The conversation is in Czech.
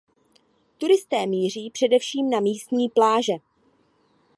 Turisté míří především na místní pláže.